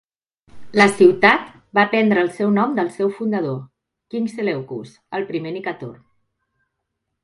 La ciutat va prendre el seu nom del seu fundador, King Seleucus, el primer Nicator.